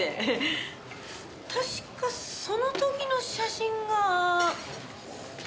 確かその時の写真が。